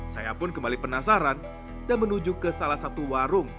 saya pun kembali penasaran dan menuju ke salah satu warung